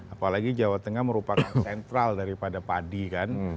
apalagi jawa tengah merupakan sentral daripada padi kan